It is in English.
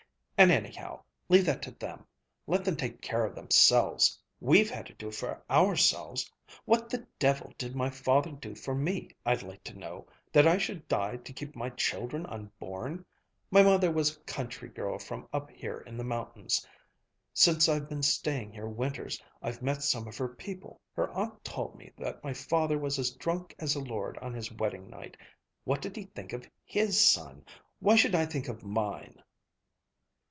And anyhow, leave that to them! Let them take care of themselves! We've had to do it for ourselves! What the devil did my father do for me, I'd like to know, that I should die to keep my children unborn? My mother was a country girl from up here in the mountains. Since I've been staying here winters, I've met some of her people. Her aunt told me that my father was as drunk as a lord on his wedding night What did he think of his son? Why should I think of mine?"